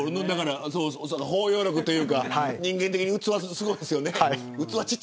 包容力というか人間的な器がすごいですよね。